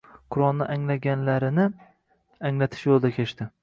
Qur’onni anglaganlarini anglatish yo‘lida kechdi.